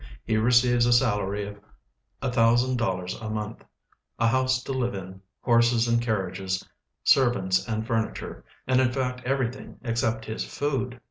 He receives a salary of a thousand dollars a month, a house to live in, honses and car riages, servants and furniture, and, in fact, everything except Ids food.